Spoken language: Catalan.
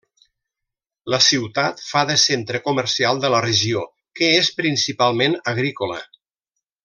La ciutat fa de centre comercial de la regió, que és principalment agrícola.